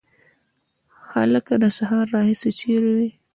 هلکه د سهار راهیسي چیري وې؟